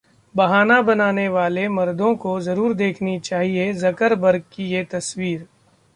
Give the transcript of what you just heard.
बहाना बनाने वाले मर्दों को जरूर देखनी चाहिए जकरबर्ग की ये तस्वीर